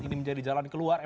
ini menjadi jalan keluar